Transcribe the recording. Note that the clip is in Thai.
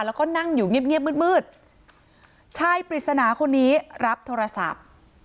แล้วก็นั่งอยู่เงียบมืดมืดชายปริศนาคนนี้รับโทรศัพท์